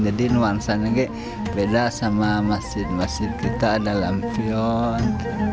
jadi nuansa ini beda dengan masjid masjid kita ada lampion